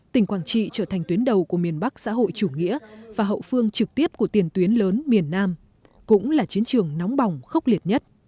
tỉnh quảng trị trở thành tuyến đầu của miền bắc xã hội chủ nghĩa và hậu phương trực tiếp của tiền tuyến lớn miền nam cũng là chiến trường nóng bỏng khốc liệt nhất